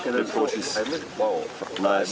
ini tempat yang bagus karena banyak orang bisa datang